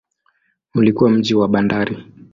Ulikuwa mji wa bandari.